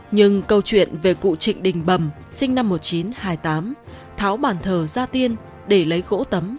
nhưng câu chuyện về cụ trịnh đình bầm sinh năm một nghìn chín trăm hai mươi tám tháo bàn thờ gia tiên để lấy gỗ tấm